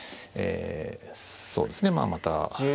そうですねまあまた